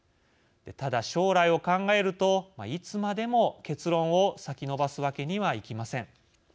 ただ、将来を考えるといつまでも結論を先延ばすわけにはいきません。